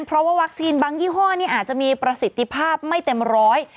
เพราะว่าวัคซีนบางยี่ห้อนี้อาจจะมีประสิทธิภาพไม่เต็มร้อย